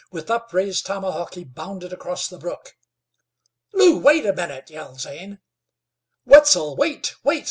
With upraised tomahawk he bounded across the brook. "Lew, wait a minute!" yelled Zane. "Wetzel! wait, wait!"